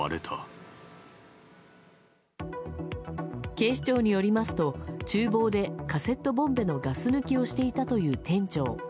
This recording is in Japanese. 警視庁によりますと、厨房でカセットボンベのガス抜きをしていたという店長。